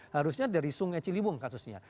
harusnya dari sungai ciliwung kasusnya